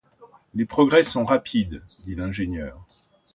Les progrès sont rapides ! dit l’ingénieur